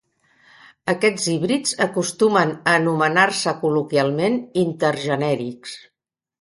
Aquests híbrids acostumen a anomenar-se col·loquialment intergenèrics.